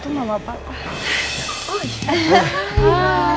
itu mama paku